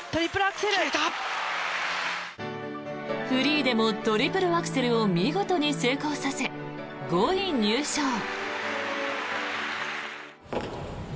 フリーでもトリプルアクセルを見事に成功させ５位入賞。